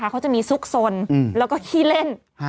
เขาจะมีซุกสนแล้วก็ขี้เล่น